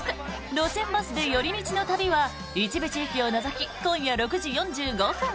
路線バスで寄り道の旅」は一部地域を除き今夜６時４５分。